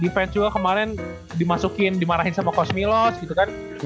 defense gue kemarin dimasukin dimarahin sama cosmilos gitu kan